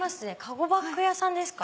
籠バッグ屋さんですか？